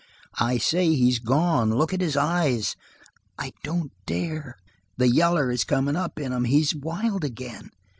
"I say he's gone. Look at his eyes." "I don't dare." "The yaller is comin' up in 'em. He's wild again."